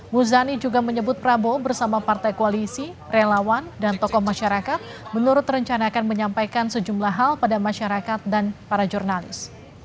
muzani juga menyebut prabowo bersama partai koalisi relawan dan tokoh masyarakat menurut rencana akan menyampaikan sejumlah hal pada masyarakat dan para jurnalis